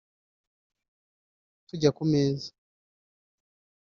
tujya ku meza